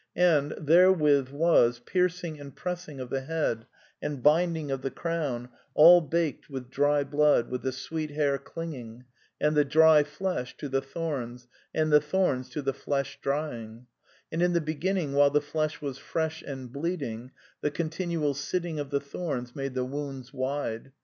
And (therewith was) piercing and pressing of the head, and binding of the Crown all baked with dry blood, with the sweet hair clinging, and the dry flesh, to the thorns, and the thorns to the flesh drying ; and in the beginning while the flesh was fresh and bleeding, the continual sitting of the thorns made the wounds wide.